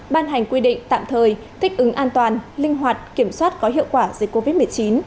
ban hành quy định tạm thời thích ứng an toàn linh hoạt kiểm soát có hiệu quả dịch covid một mươi chín